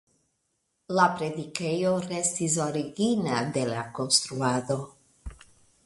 La predikejo restis origina de la konstruado.